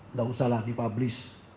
enggak usahlah dipublis